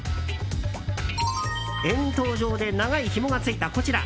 円筒状で長いひもがついたこちら。